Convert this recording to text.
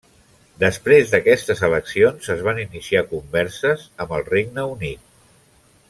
Després d'aquestes eleccions es van iniciar converses amb el Regne Unit.